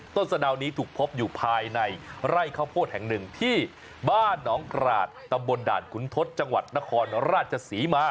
ต้นสะดาวนี้ถูกพบอยู่ภายในไร่ข้าวโพดแห่งหนึ่งที่บ้านหนองกราศตำบลด่านขุนทศจังหวัดนครราชศรีมา